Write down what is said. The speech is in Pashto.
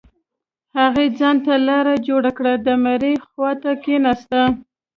هغې ځان ته لاره جوړه كړه د مړي خوا ته كښېناسته.